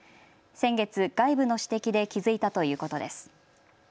先月、外部の指摘で気付いたということです。